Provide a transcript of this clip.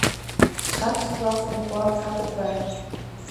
Chaque strophe comporte quatre vers.